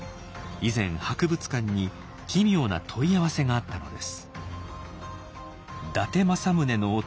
以前博物館に奇妙な問い合わせがあったのです。